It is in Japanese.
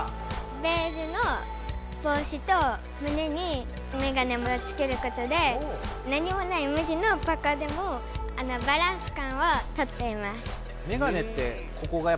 ベージュの帽子と胸にメガネもつけることで何もないむ地のパーカーでもバランスかんをとっています。